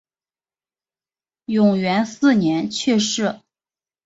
永元四年去世。